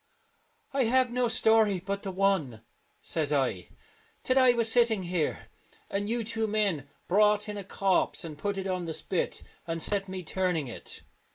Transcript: " I have no story but the one," says I, " that I was sitting here, and you two men brought in a corpse and put it on the spit, and set me turning it."